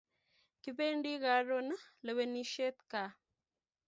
kipendi karun lewenishet gaa